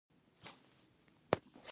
د پاسورډ بدلون مې فراموش شو.